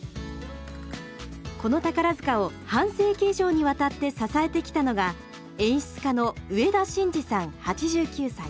この宝塚を半世紀以上にわたって支えてきたのが演出家の植田紳爾さん８９歳。